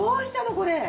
これ。